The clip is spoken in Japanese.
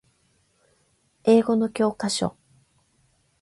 英語の教科書